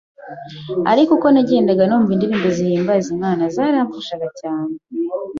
Ariko uko nagendaga numva indirimbo zihimbaza Imana zaramfashaga cyane.